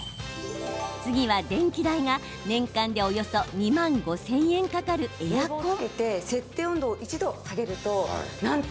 次は電気代が年間でおよそ２万５０００円かかるエアコン。